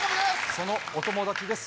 そのお友達です。